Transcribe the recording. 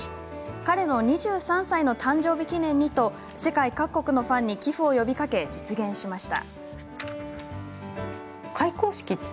彼の２３歳の誕生日記念にと世界各国のファンに寄付を呼びかけ実現しました。